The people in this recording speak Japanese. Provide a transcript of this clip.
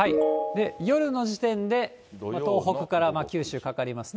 夜の時点で、東北から九州かかりますね。